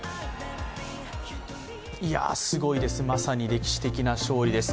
いや、すごいです、まさに歴史的な勝利です。